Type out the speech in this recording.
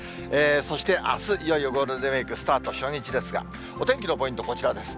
そしてあす、いよいよゴールデンウィークスタート初日ですが、お天気のポイント、こちらです。